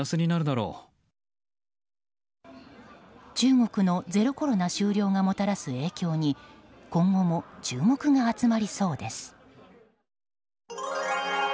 中国のゼロコロナ終了がもたらす影響に今後も注目が集まりそうです。